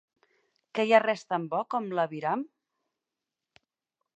Que hi ha res tant bo com la viram?